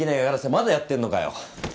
まだやってんのかよ。